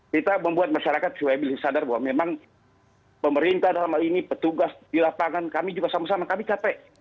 kita membuat masyarakat supaya bisa sadar bahwa memang pemerintah dalam hal ini petugas di lapangan kami juga sama sama kami capek